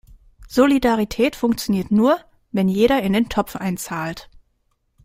Solidarität funktioniert nur, wenn jeder in den Topf einzahlt.